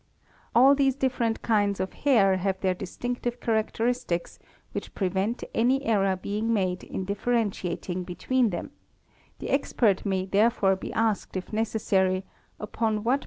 All these different kinds of hair have their distinctive characteristics _ which prevent any error being made in differentiating between them; the a expert may therefore be asked if necessary upon what.